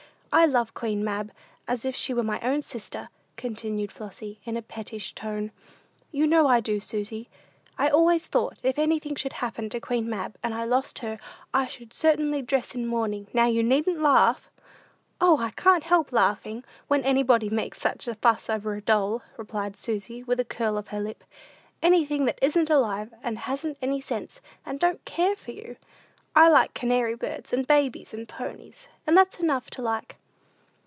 I love Queen Mab as if she was my own sister," continued Flossy, in a pettish tone. "You know I do, Susy. I always thought, if anything should happen to Queen Mab, and I lost her, I should certainly dress in mourning; now you needn't laugh." "O, I can't help laughing, when anybody makes such a fuss over a doll," replied Susy, with a curl of the lip. "Anything that isn't alive, and hasn't any sense, and don't care for you! I like canary birds, and babies, and ponies, and that's enough to like."